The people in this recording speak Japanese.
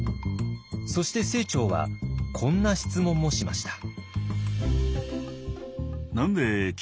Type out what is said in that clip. そして清張はこんな質問もしました。